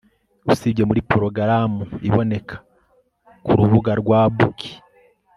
Usibye muri porogaramu iboneka kurubuga rwa bookie